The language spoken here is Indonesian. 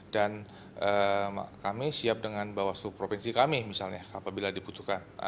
dan kami siap dengan bawaslu provinsi kami misalnya apabila dibutuhkan